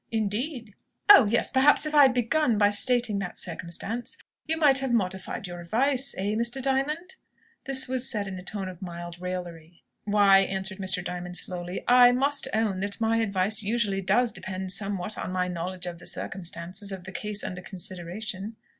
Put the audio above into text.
"Indeed!" "Oh, yes; perhaps if I had began by stating that circumstance, you might have modified your advice, eh, Mr. Diamond?" This was said in a tone of mild raillery. "Why," answered Mr. Diamond, slowly, "I must own that my advice usually does depend somewhat on my knowledge of the circumstances of the case under consideration."